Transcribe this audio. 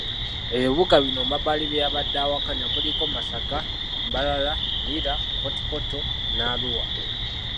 Ebibuga bino Mbabali bye yabadde awakanya kuliko; Masaka, Mbarara, Lira, Fort portal ne Arua.